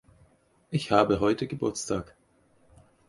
Ich habe heute Geburtstag.